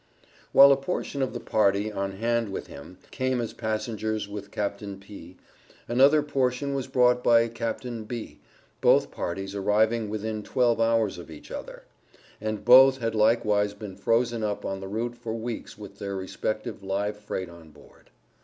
While a portion of the party, on hand with him, came as passengers with Capt. P., another portion was brought by Capt. B., both parties arriving within twelve hours of each other; and both had likewise been frozen up on the route for weeks with their respective live freight on board.